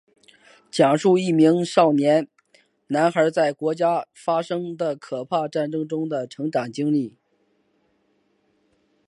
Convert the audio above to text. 讲述一名少年男孩在国家发生的可怕战争中的成长经历。